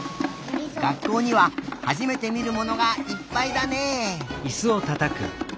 学校にははじめてみるものがいっぱいだね！